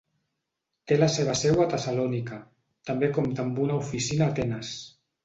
Té la seva seu a Tessalònica, també compta amb una oficina a Atenes.